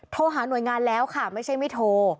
โทรหาหน่วยงานแล้วค่ะไม่ใช่ไม่โทร